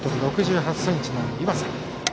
１ｍ６８ｃｍの岩瀬。